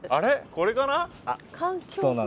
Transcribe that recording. これかな？